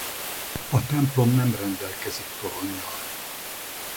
A templom nem rendelkezik toronnyal.